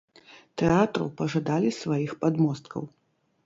Тэатру пажадалі сваіх падмосткаў.